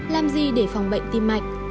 làm gì để phòng bệnh tim mạch